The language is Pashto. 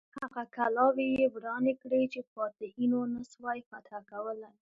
هغه کلاوې یې ورانې کړې چې فاتحینو نه سوای فتح کولای.